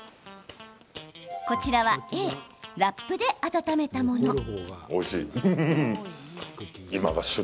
こちらはＡラップで温めたもの。